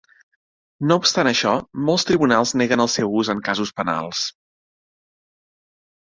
No obstant això, molts tribunals neguen el seu ús en casos penals.